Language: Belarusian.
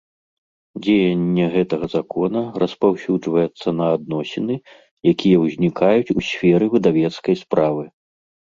Дзеянне гэтага Закона распаўсюджваецца на адносiны, якiя ўзнiкаюць у сферы выдавецкай справы.